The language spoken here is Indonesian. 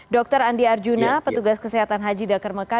dokter andi arjuna petugas kesehatan haji di akar mekah